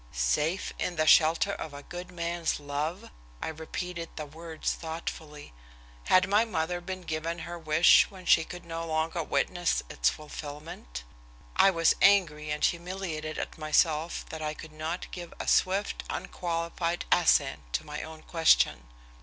"Safe in the shelter of a good man's love," I repeated the words thoughtfully. Had my mother been given her wish when she could no longer witness its fulfilment? I was angry and humiliated at myself that I could not give a swift, unqualified assent to my own question.